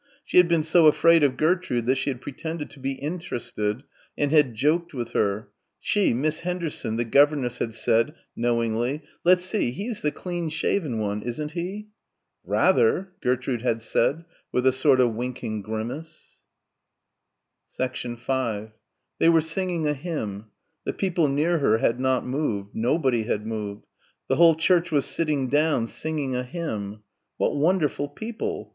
She had been so afraid of Gertrude that she had pretended to be interested and had joked with her she, Miss Henderson, the governess had said knowingly, "Let's see, he's the clean shaven one, isn't he?" "Rather," Gertrude had said with a sort of winking grimace.... 5 They were singing a hymn. The people near her had not moved. Nobody had moved. The whole church was sitting down, singing a hymn. What wonderful people....